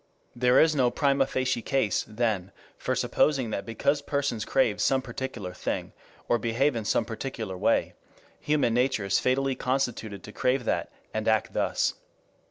There is no prima facie case then for supposing that because persons crave some particular thing, or behave in some particular way, human nature is fatally constituted to crave that and act thus.